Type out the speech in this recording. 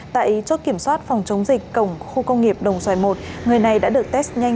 tại chốt kiểm soát phòng chống dịch cổng khu công nghiệp đồng xoài một người này đã được test nhanh